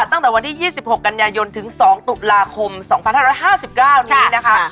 ตั้งแต่วันที่๒๖กันยายนถึง๒ตุลาคม๒๕๕๙นี้นะคะ